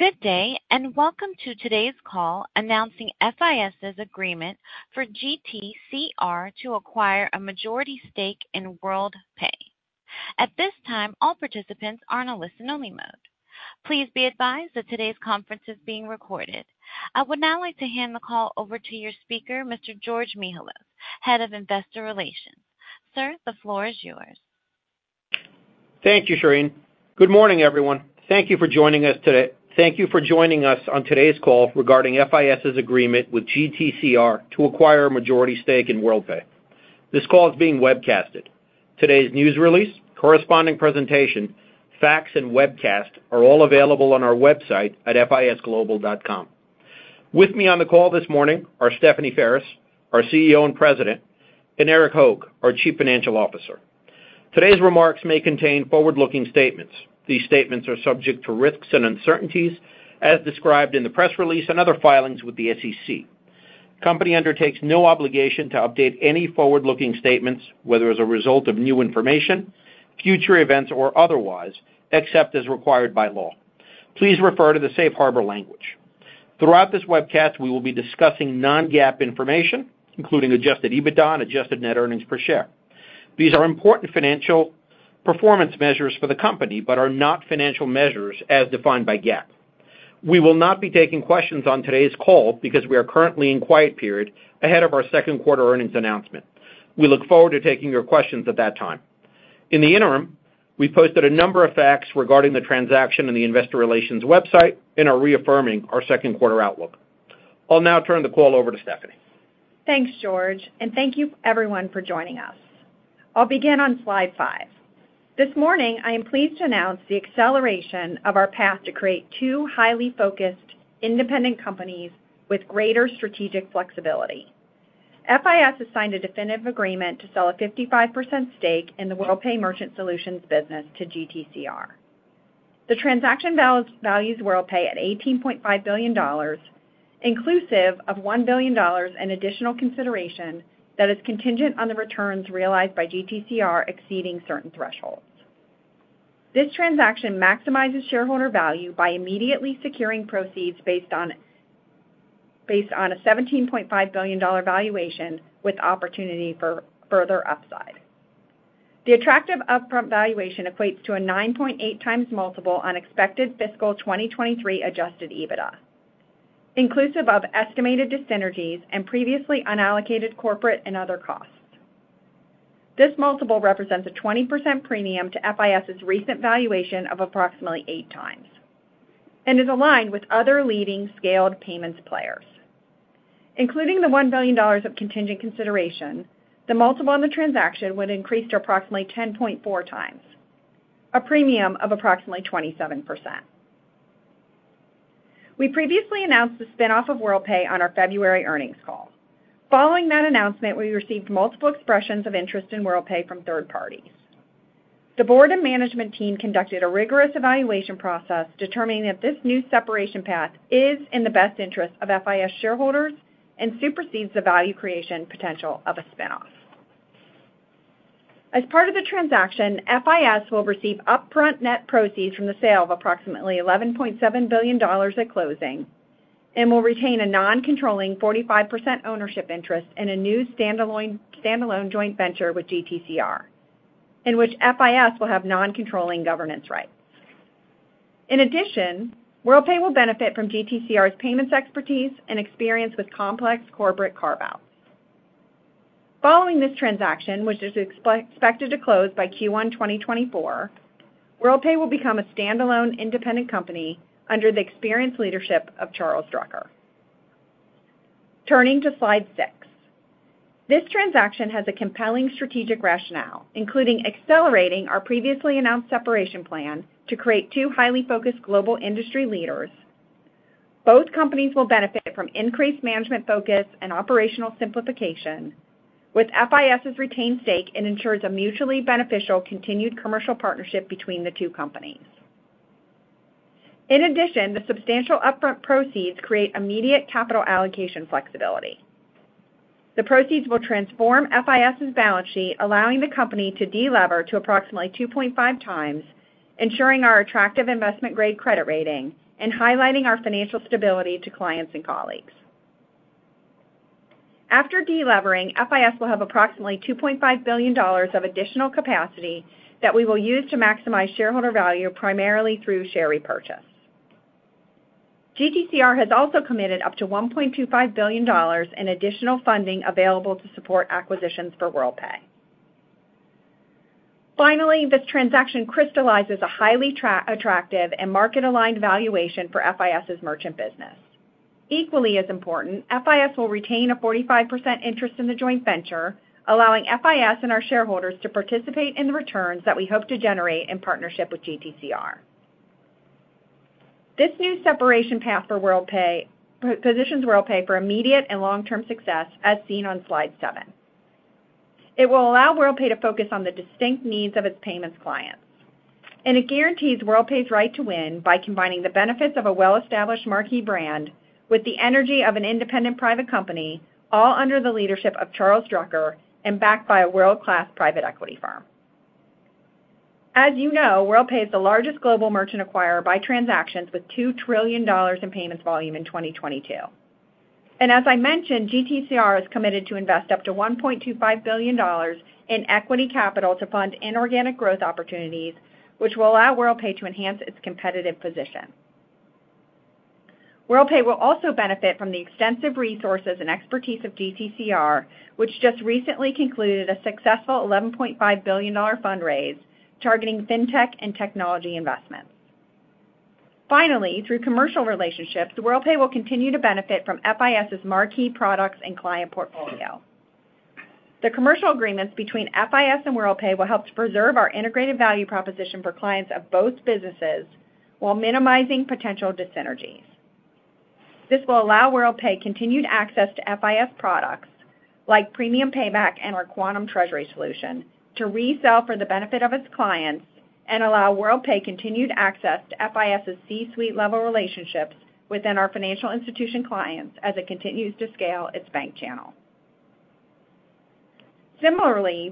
Good day, welcome to today's call announcing FIS's agreement for GTCR to acquire a majority stake in Worldpay. At this time, all participants are in a listen-only mode. Please be advised that today's conference is being recorded. I would now like to hand the call over to your speaker, Mr. George Mihalos, Head of Investor Relations. Sir, the floor is yours. Thank you, Shireen. Good morning, everyone. Thank you for joining us on today's call regarding FIS's agreement with GTCR to acquire a majority stake in Worldpay. This call is being webcasted. Today's news release, corresponding presentation, facts, and webcast are all available on our website at fisglobal.com. With me on the call this morning are Stephanie Ferris, our CEO and President, and Erik Hoag, our Chief Financial Officer. Today's remarks may contain forward-looking statements. These statements are subject to risks and uncertainties, as described in the press release and other filings with the SEC. Company undertakes no obligation to update any forward-looking statements, whether as a result of new information, future events, or otherwise, except as required by law. Please refer to the safe harbor language. Throughout this webcast, we will be discussing non-GAAP information, including adjusted EBITDA and adjusted net earnings per share. These are important financial performance measures for the company but are not financial measures as defined by GAAP. We will not be taking questions on today's call because we are currently in quiet period ahead of our second quarter earnings announcement. We look forward to taking your questions at that time. In the interim, we posted a number of facts regarding the transaction on the investor relations website and are reaffirming our second quarter outlook. I'll now turn the call over to Stephanie. Thanks, George. Thank you everyone for joining us. I'll begin on slide 5. This morning, I am pleased to announce the acceleration of our path to create two highly focused independent companies with greater strategic flexibility. FIS has signed a definitive agreement to sell a 55% stake in the Worldpay Merchant Solutions business to GTCR. The transaction values Worldpay at $18.5 billion, inclusive of $1 billion in additional consideration that is contingent on the returns realized by GTCR exceeding certain thresholds. This transaction maximizes shareholder value by immediately securing proceeds based on a $17.5 billion valuation with opportunity for further upside. The attractive upfront valuation equates to a 9.8x multiple on expected fiscal 2023 adjusted EBITDA, inclusive of estimated dis-synergies and previously unallocated corporate and other costs. This multiple represents a 20% premium to FIS's recent valuation of approximately 8x and is aligned with other leading scaled payments players. Including the $1 billion of contingent consideration, the multiple on the transaction would increase to approximately 10.4x, a premium of approximately 27%. We previously announced the spin-off of Worldpay on our February earnings call. Following that announcement, we received multiple expressions of interest in Worldpay from third parties. The board and management team conducted a rigorous evaluation process, determining that this new separation path is in the best interest of FIS shareholders and supersedes the value creation potential of a spin-off. As part of the transaction, FIS will receive upfront net proceeds from the sale of approximately $11.7 billion at closing and will retain a non-controlling 45% ownership interest in a new standalone joint venture with GTCR, in which FIS will have non-controlling governance rights. In addition, Worldpay will benefit from GTCR's payments expertise and experience with complex corporate carve-outs. Following this transaction, which is expected to close by Q1 2024, Worldpay will become a standalone independent company under the experienced leadership of Charles Drucker. Turning to slide six. This transaction has a compelling strategic rationale, including accelerating our previously announced separation plan to create two highly focused global industry leaders. Both companies will benefit from increased management focus and operational simplification. With FIS's retained stake, it ensures a mutually beneficial continued commercial partnership between the two companies. In addition, the substantial upfront proceeds create immediate capital allocation flexibility. The proceeds will transform FIS's balance sheet, allowing the company to delever to approximately 2.5x, ensuring our attractive investment-grade credit rating and highlighting our financial stability to clients and colleagues. After delevering, FIS will have approximately $2.5 billion of additional capacity that we will use to maximize shareholder value, primarily through share repurchase. GTCR has also committed up to $1.25 billion in additional funding available to support acquisitions for Worldpay. Finally, this transaction crystallizes a highly attractive and market-aligned valuation for FIS's merchant business. Equally as important, FIS will retain a 45% interest in the joint venture, allowing FIS and our shareholders to participate in the returns that we hope to generate in partnership with GTCR. This new separation path for Worldpay, positions Worldpay for immediate and long-term success, as seen on slide 7. It will allow Worldpay to focus on the distinct needs of its payments clients, and it guarantees Worldpay's right to win by combining the benefits of a well-established marquee brand with the energy of an independent private company, all under the leadership of Charles Drucker and backed by a world-class private equity firm. As you know, Worldpay is the largest global merchant acquirer by transactions, with $2 trillion in payments volume in 2022. As I mentioned, GTCR is committed to invest up to $1.25 billion in equity capital to fund inorganic growth opportunities, which will allow Worldpay to enhance its competitive position. Worldpay will also benefit from the extensive resources and expertise of GTCR, which just recently concluded a successful $11.5 billion fundraise targeting fintech and technology investments. Through commercial relationships, Worldpay will continue to benefit from FIS's marquee products and client portfolio. The commercial agreements between FIS and Worldpay will help to preserve our integrated value proposition for clients of both businesses while minimizing potential dis-synergies. This will allow Worldpay continued access to FIS products like Premium Payback and our Quantum Treasury Solution, to resell for the benefit of its clients and allow Worldpay continued access to FIS's C-suite level relationships within our financial institution clients as it continues to scale its bank channel.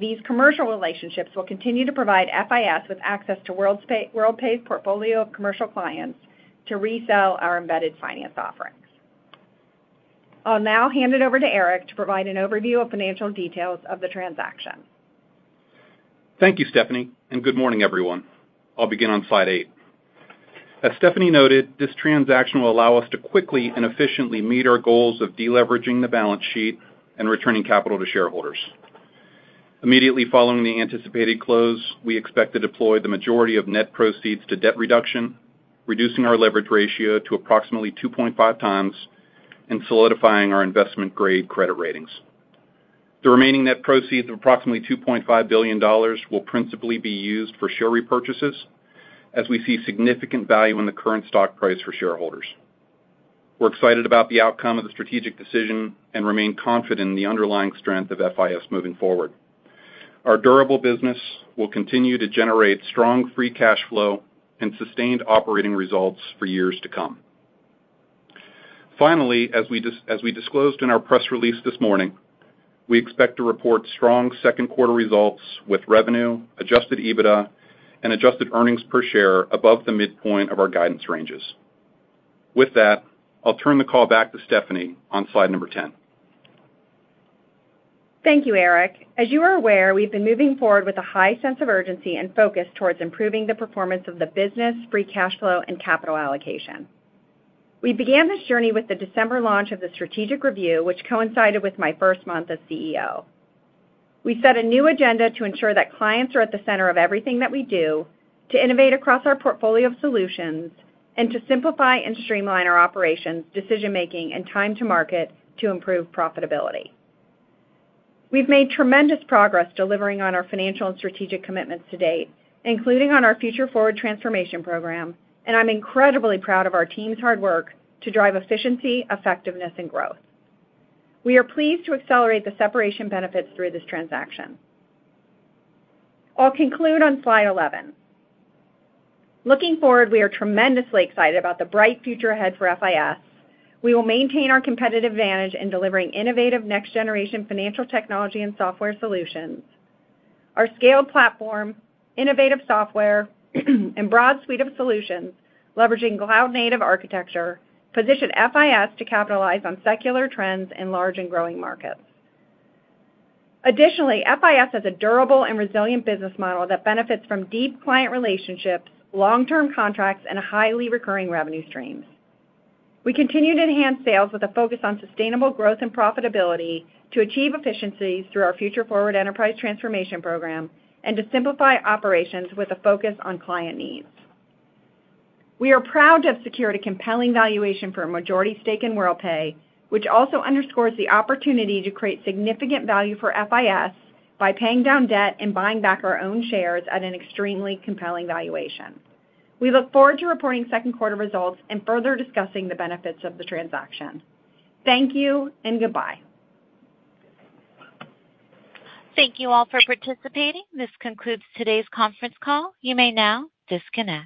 These commercial relationships will continue to provide FIS with access to Worldpay's portfolio of commercial clients to resell our embedded finance offerings. I'll now hand it over to Erik to provide an overview of financial details of the transaction. Thank you, Stephanie. Good morning, everyone. I'll begin on slide 8. As Stephanie noted, this transaction will allow us to quickly and efficiently meet our goals of deleveraging the balance sheet and returning capital to shareholders. Immediately following the anticipated close, we expect to deploy the majority of net proceeds to debt reduction, reducing our leverage ratio to approximately 2.5x and solidifying our investment-grade credit ratings. The remaining net proceeds of approximately $2.5 billion will principally be used for share repurchases, as we see significant value in the current stock price for shareholders. We're excited about the outcome of the strategic decision and remain confident in the underlying strength of FIS moving forward. Our durable business will continue to generate strong free cash flow and sustained operating results for years to come. Finally, as we disclosed in our press release this morning, we expect to report strong second quarter results with revenue, adjusted EBITDA, and adjusted earnings per share above the midpoint of our guidance ranges. With that, I'll turn the call back to Stephanie on slide number 10. Thank you, Erik. As you are aware, we've been moving forward with a high sense of urgency and focus towards improving the performance of the business, free cash flow, and capital allocation. We began this journey with the December launch of the strategic review, which coincided with my first month as CEO. We set a new agenda to ensure that clients are at the center of everything that we do, to innovate across our portfolio of solutions, and to simplify and streamline our operations, decision-making, and time to market to improve profitability. We've made tremendous progress delivering on our financial and strategic commitments to date, including on our Future Forward transformation program, and I'm incredibly proud of our team's hard work to drive efficiency, effectiveness, and growth. We are pleased to accelerate the separation benefits through this transaction. I'll conclude on slide 11. Looking forward, we are tremendously excited about the bright future ahead for FIS. We will maintain our competitive advantage in delivering innovative next-generation financial technology and software solutions. Our scaled platform, innovative software, and broad suite of solutions, leveraging cloud-native architecture, position FIS to capitalize on secular trends in large and growing markets. Additionally, FIS has a durable and resilient business model that benefits from deep client relationships, long-term contracts, and highly recurring revenue streams. We continue to enhance sales with a focus on sustainable growth and profitability, to achieve efficiencies through our Future Forward enterprise transformation program, and to simplify operations with a focus on client needs. We are proud to have secured a compelling valuation for a majority stake in Worldpay, which also underscores the opportunity to create significant value for FIS by paying down debt and buying back our own shares at an extremely compelling valuation. We look forward to reporting second quarter results and further discussing the benefits of the transaction. Thank you, and goodbye. Thank you all for participating. This concludes today's conference call. You may now disconnect.